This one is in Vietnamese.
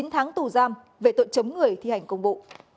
chín tháng tù giam về tội chấm người thi hành công vụ